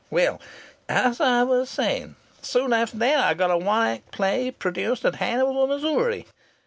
Well, as I was saying, soon after that I got a one act play produced at Hannibal, Missouri.